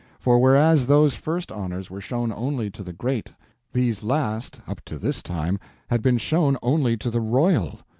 For whereas those first honors were shown only to the great, these last, up to this time, had been shown only to the royal.